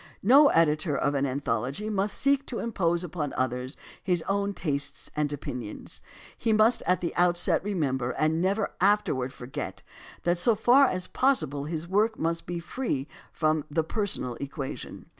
But no editor of an anthology must seek to impose upon others his own tastes and opinions. He must at the outset remember and never afterward forget that so far as possible his work must be free from the personal equation.